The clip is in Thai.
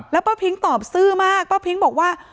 แล้วคุณตอบซื่อมากพระพิงบอกว่า